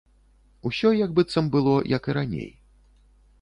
Усё як быццам было, як і раней.